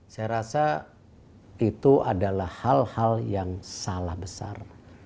saya rasa itu adalah hal hal yang salah besar